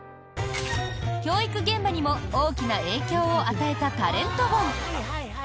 教育現場にも大きな影響を与えたタレント本！